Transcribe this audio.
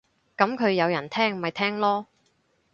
噉佢有人聽咪聽囉